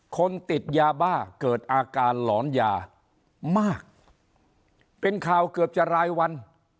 คนติดยาบ้าเกิดอาการหลอนยามากเป็นข่าวเกือบจะรายวัน